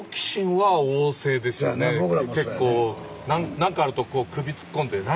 何かあるとこう首突っ込んで何？